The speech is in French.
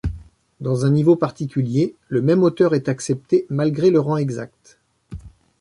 Dans un niveau particulier, le même auteur est accepté malgré le rang exact.